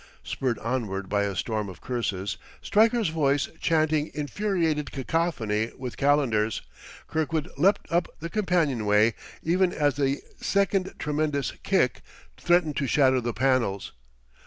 Spurred onward by a storm of curses, Stryker's voice chanting infuriated cacophony with Calendar's, Kirkwood leapt up the companionway even as the second tremendous kick threatened to shatter the panels.